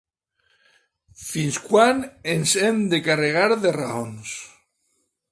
Fins quan ens hem de ‘carregar de raons’?